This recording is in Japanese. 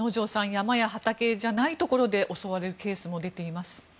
山や畑じゃないところで襲われるケースも出ています。